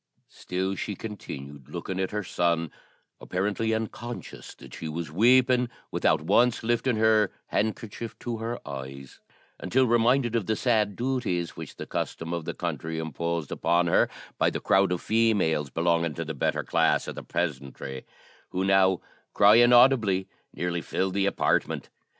Still she continued looking at her son, apparently unconscious that she was weeping, without once lifting her handkerchief to her eyes, until reminded of the sad duties which the custom of the country imposed upon her, by the crowd of females belonging to the better class of the peasantry, who now, crying audibly, nearly filled the apartment.